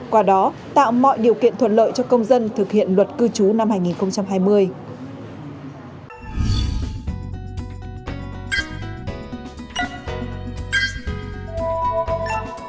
qua đó tạo mọi điều kiện thuận lợi cho công dân thực hiện luật cư trú năm hai nghìn hai mươi